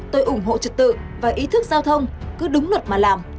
tôi ủng hộ trật tự và ý thức giao thông cứ đúng luật mà làm